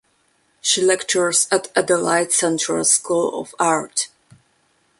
She lectures at Adelaide Central School of Art.